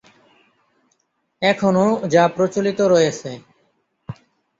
এখনও যা প্রচলিত রয়েছে।